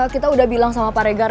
kita udah bilang sama pak regar